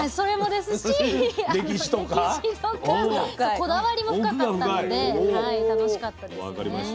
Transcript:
こだわりも深かったので楽しかったですね。